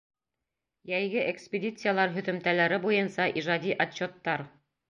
Йәйге экспедициялар һөҙөмтәләре буйынса ижади отчеттар.